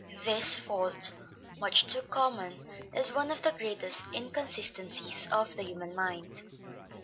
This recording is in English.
This fault, much too common, is one of the greatest inconsistencies of the human mind.